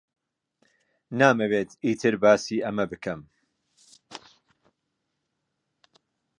نامەوێت ئیتر باسی ئەمە بکەم.